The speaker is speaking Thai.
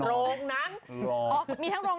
เอ้าไปไป